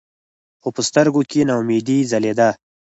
خو پۀ سترګو کښې ناامېدې ځلېده ـ